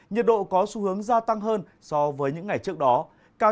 nhiệt độ có xu hướng gia tăng hơn so với những ngày trước đó